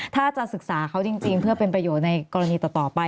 ถ้าจะศึกษาเขาจริงเพื่อเป็นประโยชน์ในกรณีต่อไป